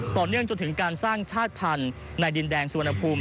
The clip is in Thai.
ต่อเนื่องจนถึงการสร้างชาติพันธุ์ในดินแดงสุวรรณภูมิ